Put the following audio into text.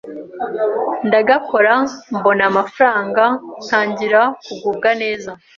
ndagakora mbona amafaranga ntangira kugubwa neza